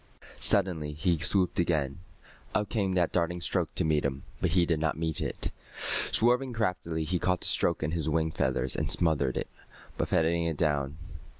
Suddenly he swooped again. Up came that darting stroke to meet him. But he did not meet it. Swerving craftily, he caught the stroke in his wing feathers and smothered it, buffeting it down.